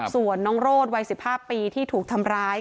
ส่วนน้องโรดวัย๑๕ปีที่ถูกทำร้าย